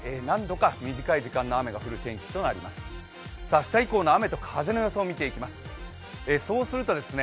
明日以降の雨と風の予想を見ていきます。